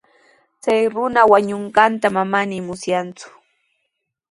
Chay runa wañunqanta manami musyarqaaku.